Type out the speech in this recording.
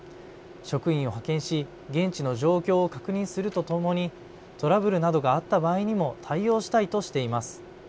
職員を派遣し現地の状況を確認するとともにトラブルなどがあった場合にも対応したいとしています。